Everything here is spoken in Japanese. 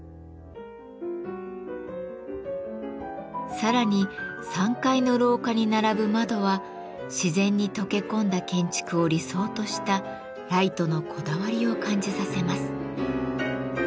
さらに３階の廊下に並ぶ窓は自然に溶け込んだ建築を理想としたライトのこだわりを感じさせます。